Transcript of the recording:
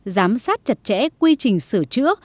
giám sát chặt chẽ quy trình sửa chữa